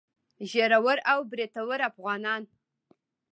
ږيره ور او برېتور افغانان.